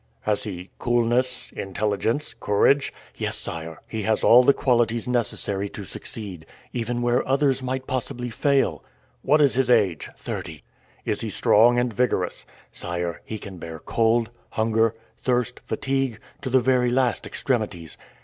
"Has he coolness, intelligence, courage?" "Yes, sire; he has all the qualities necessary to succeed, even where others might possibly fail." "What is his age?" "Thirty." "Is he strong and vigorous?" "Sire, he can bear cold, hunger, thirst, fatigue, to the very last extremities."